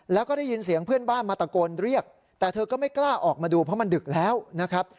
แล้วก็ได้ยินเสียงเพื่อนบ้านมาตะโกนเรียกแต่เธอก็ไม่กล้าออกมาดูเพราะมันดึกแล้วนะครับ